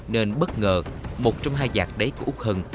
nên bất ngờ một trong hai giạc đáy của út hần